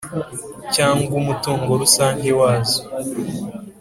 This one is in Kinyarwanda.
Cyangwa umutungo rusange wazo